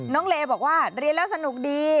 เลบอกว่าเรียนแล้วสนุกดี